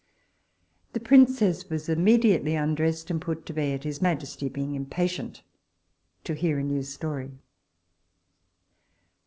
The princess was immediately undressed and put to bed, his majesty being impatient to hear a new story.